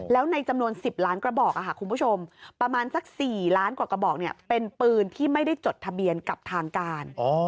แล้วในจำนวน๑๐ล้านกระบอกคุณผู้ชมประมาณสัก๔ล้านกว่ากระบอกเป็นปืนที่ไม่ได้จดทะเบียนกับทางการ